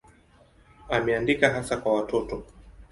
Ameandika hasa kwa watoto.